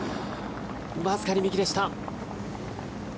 わずかに右でした。